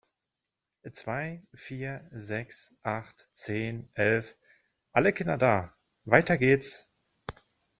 Zwei, vier, sechs, acht, zehn, elf, alle Kinder da! Weiter geht's.